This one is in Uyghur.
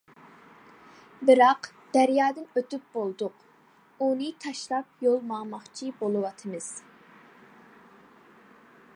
بىراق دەريادىن ئۆتۈپ بولدۇق، ئۇنى تاشلاپ يول ماڭماقچى بولۇۋاتىمىز.